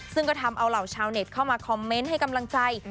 ซึ่งก็ทำเอาเหล่าชาวเน็ตเข้ามาคอมเมนต์ให้กำลังใจ